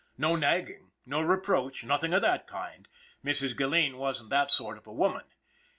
No nagging, no reproach, nothing of that kind Mrs. Gilleen wasn't that sort of a woman.